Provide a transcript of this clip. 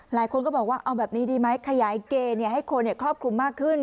หลายคนก็บอกว่าเอาแบบนี้ดีไหมขยายเกณฑ์ให้คนครอบคลุมมากขึ้น